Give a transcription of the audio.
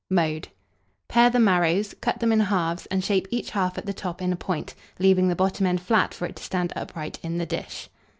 ] Mode. Pare the marrows; cut them in halves, and shape each half at the top in a point, leaving the bottom end flat for it to stand upright in the dish.